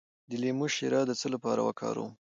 د لیمو شیره د څه لپاره وکاروم؟